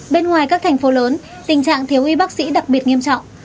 bên ngoài các thành phố lớn tình trạng thiếu y bác sĩ đặc biệt nghiêm trọng